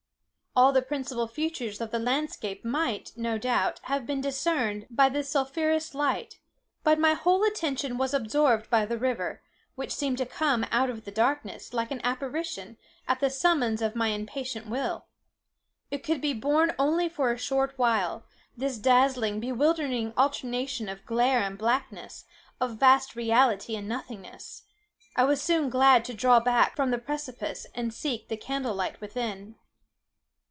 "All the principal features of the landscape might, no doubt, have been discerned by this sulphureous light; but my whole attention was absorbed by the river, which seemed to come out of the darkness, like an apparition, at the summons of my impatient will. It could be borne only for a short time—this dazzling, bewildering alternation of glare and blackness, of vast reality and nothingness. I was soon glad to draw back from the precipice, and seek the candle light within.